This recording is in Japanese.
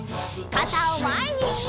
かたをまえに！